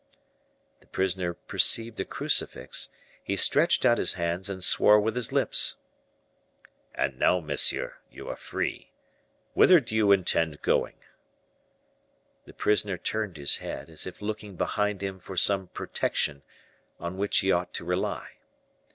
The prisoner perceived a crucifix; he stretched out his hands and swore with his lips. "And now, monsieur, you are free. Whither do you intend going?" The prisoner turned his head, as if looking behind him for some protection, on which he ought to rely.